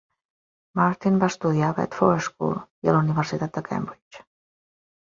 Martin va estudiar a Bedford School i a la Universitat de Cambridge.